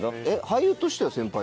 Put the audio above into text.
俳優としては先輩？